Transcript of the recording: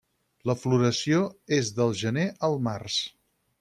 La floració és del gener al març.